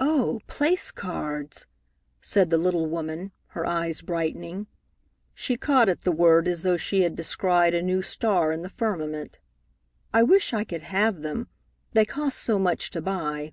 "Oh, place cards!" said the little woman, her eyes brightening. She caught at the word as though she had descried a new star in the firmament. "I wish I could have them. They cost so much to buy.